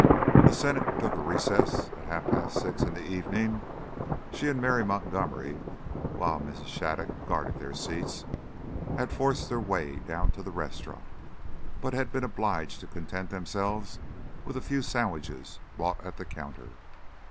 When the Senate took a recess at half past six in the evening, she and Mary Montgomery, while Mrs. Shattuc guarded their seats, had forced their way down to the restaurant, but had been obliged to content themselves with a few sandwiches bought at the counter.